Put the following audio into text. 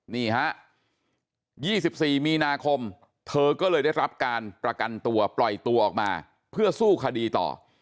นี่ฮะ๒๔มีนาคมเธอก็เลยได้รับการประกันตัวปล่อยตัวออกมาเพื่อสู้คดีต่อ